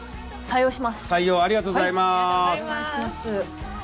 採用ありがとうございます。